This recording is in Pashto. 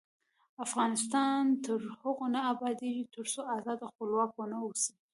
افغانستان تر هغو نه ابادیږي، ترڅو ازاد او خپلواک ونه اوسو.